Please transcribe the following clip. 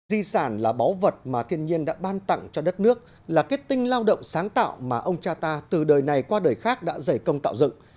di sản là báu vật mà thiên nhiên đã ban tặng cho đất nước là kết tinh lao động sáng tạo mà ông cha ta từ đời này qua đời khác đã giải công tạo dựng